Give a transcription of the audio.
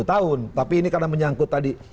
dua puluh tahun tapi ini karena menyangkut tadi